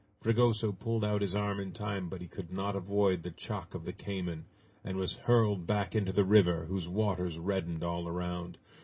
Fragoso pulled out his arm in time, but he could not avoid the shock of the cayman, and was hurled back into the river, whose waters reddened all around.